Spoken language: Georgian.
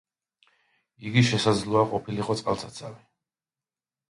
იგი შესაძლოა ყოფილიყო წყალსაცავი.